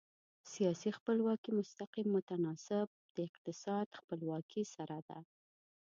سیاسي خپلواکي مستقیم متناسب د اقتصادي خپلواکي سره ده.